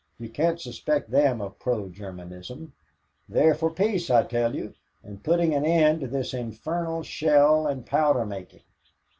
You can't suspect them of pro Germanism; they're for peace, I tell you, and putting an end to this infernal shell and powder making."